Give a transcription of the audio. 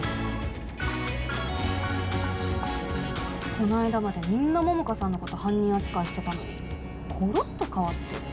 この間までみんな桃花さんのこと犯人扱いしてたのにコロっと変わってる。